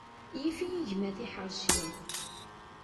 Yif-iyi gma tiḥerci.